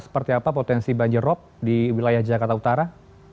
seperti apa potensi banjir rop di wilayah jakarta utara